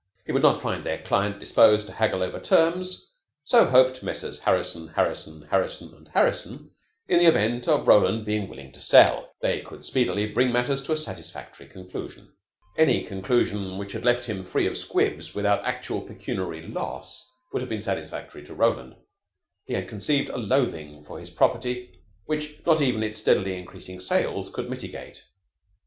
He would not find their client disposed to haggle over terms, so, hoped Messrs. Harrison, Harrison, Harrison & Harrison, in the event of Roland being willing to sell, they could speedily bring matters to a satisfactory conclusion. Any conclusion which had left him free of 'Squibs' without actual pecuniary loss would have been satisfactory to Roland. He had conceived a loathing for his property which not even its steadily increasing sales could mitigate.